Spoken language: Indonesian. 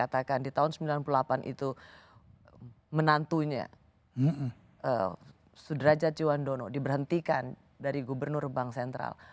apa yang prof derajat katakan di tahun sembilan puluh delapan itu menantunya sudrajat juwandono diberhentikan dari gubernur bank sentral